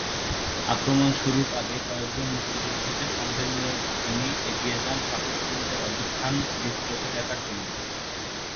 আক্রমণ শুরুর আগে কয়েকজন মুক্তিযোদ্ধাকে সঙ্গে নিয়ে তিনি এগিয়ে যান পাকিস্তানিদের অবস্থান নিজ চোখে দেখার জন্য।